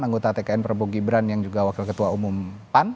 anggota tkn prabowo gibran yang juga wakil ketua umum pan